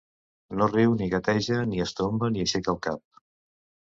No riu ni gateja ni es tomba ni aixeca el cap...